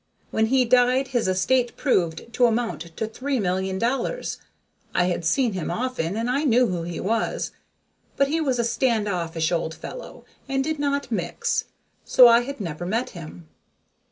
When he died, his estate proved to amount to three million dollars. I had seen him often, and I knew who he was, but he was a stand offish old fellow and did not mix, so I had never met him.